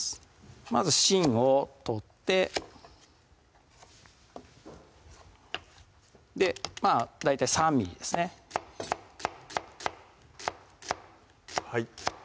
まず芯を取ってまぁ大体３ｍｍですねはい